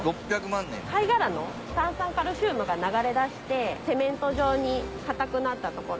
貝殻の炭酸カルシウムが流れ出してセメント状に硬くなった所。